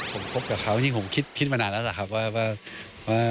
ผมคบกับเขาจริงผมคิดมานานแล้วล่ะครับว่า